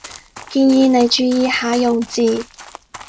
建議你注意下用字